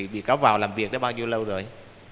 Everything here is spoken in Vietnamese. bị cáo vào làm việc đã bao nhiêu lâu rồi